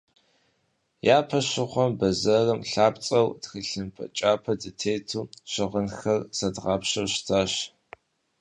Япэм щыгъуэ бэзэрым лъапцӏэу тхылъымпӏэ кӏапэ дытету щыгъынхэр зэдгъапщэу щытащ.